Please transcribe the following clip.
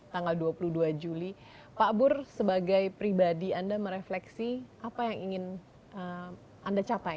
tanggal dua puluh dua juli pak bur sebagai pribadi anda merefleksi apa yang ingin anda capai